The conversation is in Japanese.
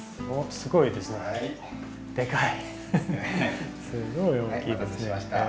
すごい。